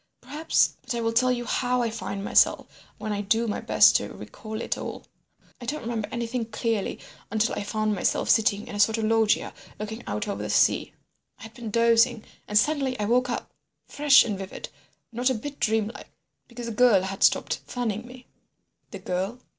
Perhaps—But I will tell you how I find myself when I do my best to recall it all. I don't remember anything clearly until I found myself sitting in a sort of loggia looking out over the sea. I had been dozing, and suddenly I woke up—fresh and vivid—not a bit dreamlike—because the girl had stopped fanning me." "The girl?"